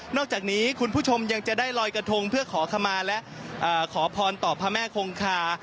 อกจากนี้คุณผู้ชมยังจะได้ลอยกระทงเพื่อขอขมาและขอพรต่อพระแม่คงคา